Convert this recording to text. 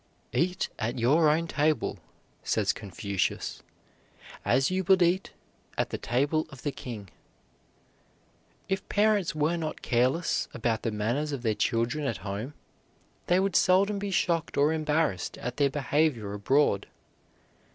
"Eat at your own table," says Confucius, "as you would eat at the table of the king." If parents were not careless about the manners of their children at home, they would seldom be shocked or embarrassed at their behavior abroad.